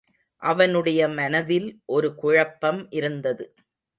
அவனுடைய மனதில் ஒரு குழப்பம் இருந்தது.